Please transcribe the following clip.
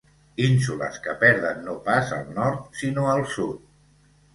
Ínsules que perden no pas el nord sinó el sud.